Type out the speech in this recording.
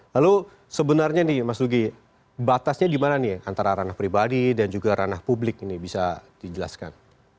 lalu sebenarnya nih mas nugi batasnya di mana nih antara ranah pribadi dan juga ranah publik ini bisa dijelaskan